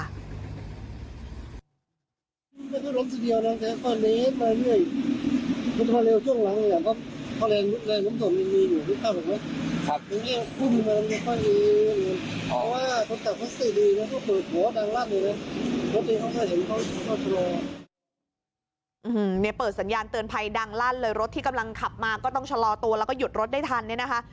เนี่ยเปิดสัญญาณเตือนภัยดังลั่นเลยรถที่กำลังขับมาก็ต้องชะลอตัวแล้วก็หยุดรถได้ทันเนี่ยนะคะ